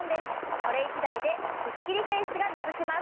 これ１台でスッキリフェイスが目指せます